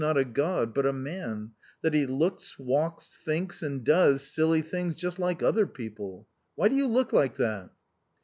not a god but a man ; that he looks, walks, thinks, and j does silly things just like other people ; why do you look J like that